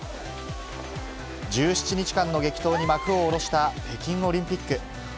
１７日間の激闘に幕を下ろした北京オリンピック。